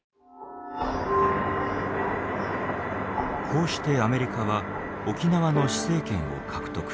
こうしてアメリカは沖縄の施政権を獲得。